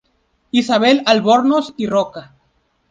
Isabel Albornoz y Roca.